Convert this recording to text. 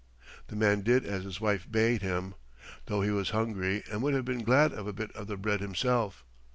The man did as his wife bade him, though he was hungry and would have been glad of a bit of the bread himself.